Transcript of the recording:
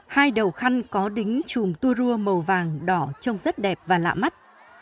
hai đầu khăn có đính chùm tua rua màu vàng đỏ trông rất đẹp và lạ mắt